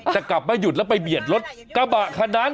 แต่กลับไม่หยุดแล้วไปเบียดรถกระบะคันนั้น